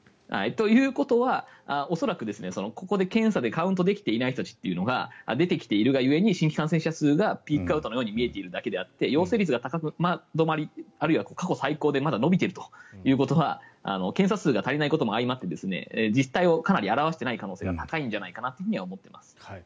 ということは恐らくここで検査でカウントできていない人たちというのが出てきているが故に新規感染者数がピークアウトのように見えているだけであって陽性率が高止まりあるいは過去最高でまだ伸びているということは検査数が足りないことも相まって実態をかなり表していない可能性が高いんじゃないかなと思っています。